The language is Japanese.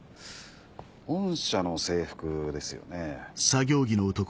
御社の制服ですよね？